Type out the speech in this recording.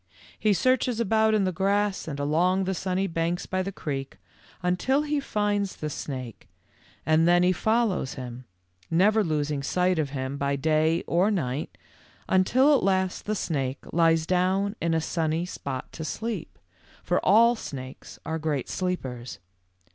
"He searches about in the grass and along the sunny banks by the creek until he finds the snake and then he follows him, never losing sight of him by day or night, until at last the snake lies down in a sunny spot to sleep, for all snakes are great sleepers.